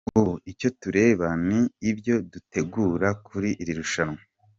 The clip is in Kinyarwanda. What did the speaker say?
Ubu icyo tureba ni ibyo dutegura kuri iri rushanwa.